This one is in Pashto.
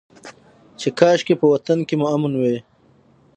چې کاشکي په وطن کې مو امن وى.